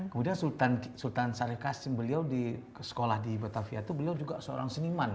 kemudian sultan syarif hasim beliau di sekolah di batavia itu beliau juga seorang seniman